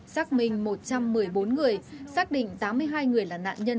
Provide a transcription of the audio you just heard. xác minh một trăm một mươi bốn người xác định tám mươi hai người là nạn nhân